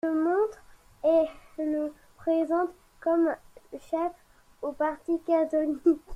Elle le montre et le présente comme chef au parti catholique.